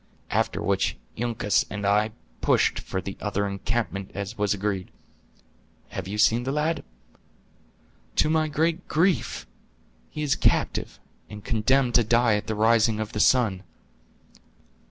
After which Uncas and I pushed for the other encampment as was agreed. Have you seen the lad?" "To my great grief! He is captive, and condemned to die at the rising of the sun."